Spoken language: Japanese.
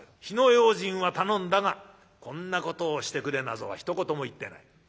火の用心は頼んだがこんなことをしてくれなぞはひと言も言ってない。